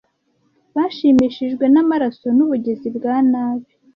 Bashimishijwe namaraso nubugizi bwa nabi.